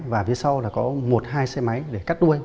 và phía sau là có một hai xe máy để cắt đuôi